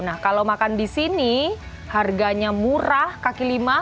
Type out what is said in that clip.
nah kalau makan disini harganya murah kaki lima